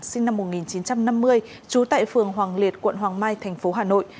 sinh năm một nghìn chín trăm năm mươi trú tại phường hoàng liệt quận hoàng mai tp hà nội